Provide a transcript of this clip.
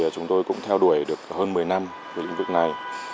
chúng tôi cũng theo đuổi được hơn một mươi năm